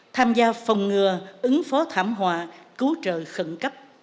tham gia phòng ngừa ứng phó thảm họa cứu trợ khẩn cấp